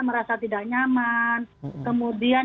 merasa tidak nyaman kemudian